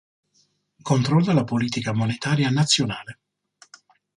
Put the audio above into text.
Controlla la politica monetaria nazionale.